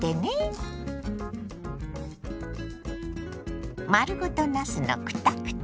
丸ごとなすのクタクタ煮。